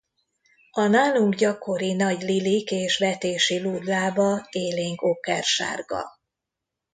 A nálunk gyakori nagy lilik és vetési lúd lába élénk okkersárga.